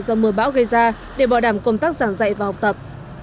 do mưa bão gây ra để bảo đảm công tác giảng dạy và học tập